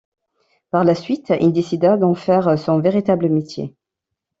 Par la suite, il décida d'en faire son véritable métier.